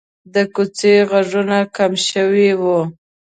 د کوڅې غږونه کم شوي وو.